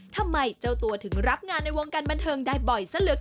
ทำไมเจ้าตัวถึงรับงานในวงการบันเทิงได้บ่อยซะเหลือเกิน